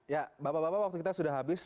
ya bapak bapak waktu kita sudah habis